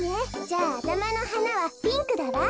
じゃああたまのはなはピンクだわ。